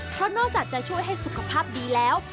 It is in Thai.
เพราะนอกจากจะช่วยให้สุขภาพดีแล้ว